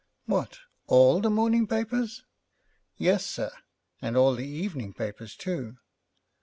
'What, all the morning papers?' 'Yes, sir, and all the evening papers too.'